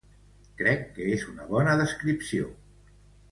Crec que és una bona descripció.